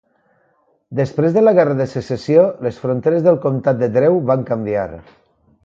Després de la Guerra de Secessió, les fronteres del comtat de Drew van canviar.